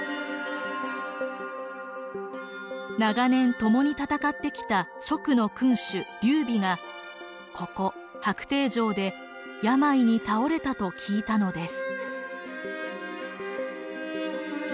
長年共に戦ってきた蜀の君主劉備がここ白帝城で病に倒れたと聞いたのです。